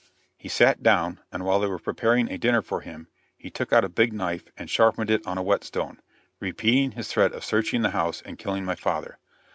He sat down, and while they were preparing a dinner for him, he took out a big knife and sharpened it on a whetstone, repeating his threat of searching the house and killing my father.